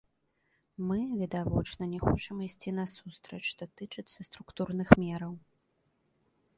Мы, відавочна, не хочам ісці насустрач, што тычыцца структурных мераў.